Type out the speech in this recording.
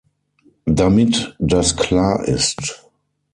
Damit das klar ist.